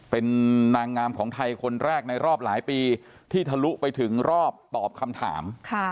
เป็นนางงามของไทยคนแรกในรอบหลายปีที่ทะลุไปถึงรอบตอบคำถาม